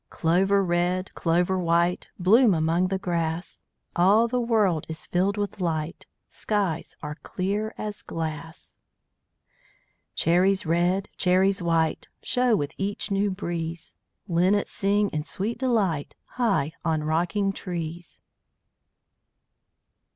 Clover red, clover white, Bloom among the grass. All the world is filled with light; Skies are clear as glass. Cherries red, cherries white, Show with each new breeze. Linnets sing in sweet delight High on rocking trees.